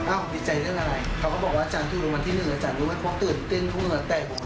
อ้าวดีใจเรื่องอะไรเขาก็บอกว่าอาจารย์ดูรวม๑อาจารย์ว่าพวกตื่นเต้นครึ่งนั้นแล้วแตก